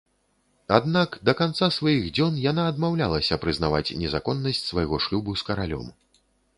Аднак да канца сваіх дзён яна адмаўлялася прызнаваць незаконнасць свайго шлюбу з каралём.